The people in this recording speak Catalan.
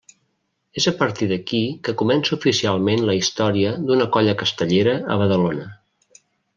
És a partir d'aquí que comença oficialment la història d'una colla castellera a Badalona.